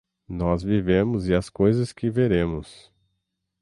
Nós vivemos e as coisas que veremos.